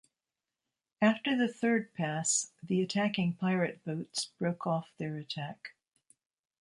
After the third pass, the attacking pirate boats broke off their attack.